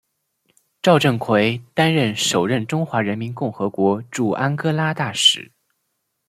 赵振魁担任首位中华人民共和国驻安哥拉大使。